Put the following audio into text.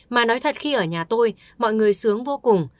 mà nói thật khi ở nhà tôi mọi người sướng vô cùng